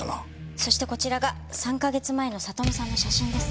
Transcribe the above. そしてこちらが３カ月前の里美さんの写真です。